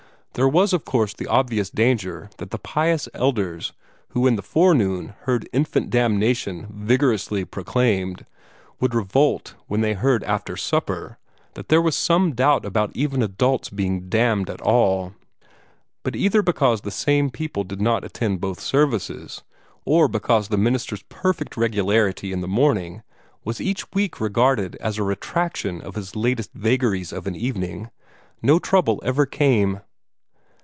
There was of course the obvious danger that the pious elders who in the forenoon heard infant damnation vigorously proclaimed, would revolt when they heard after supper that there was some doubt about even adults being damned at all. But either because the same people did not attend both services, or because the minister's perfect regularity in the morning was each week regarded as a retraction of his latest vagaries of an evening, no trouble ever came.